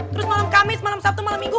terus malam kamis malam sabtu malam minggu